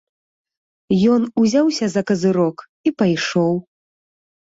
Ён узяўся за казырок і пайшоў.